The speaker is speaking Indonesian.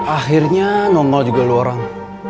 akhirnya nongol juga dua orang